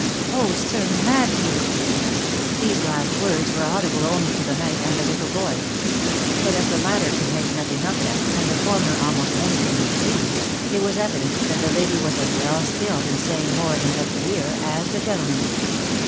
* 4 Oh ! Sir Matthew !" these last words were audible only to the knight and the little boy; but as the latter could make nothing of them, and the former almost any thing he pleased, it was evident that the lady was as well skilled in saying more than met the ear, as the gentleman.